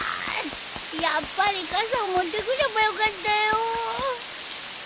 やっぱり傘を持ってくればよかったよ。